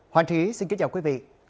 hoàng trí xin kính chào quý vị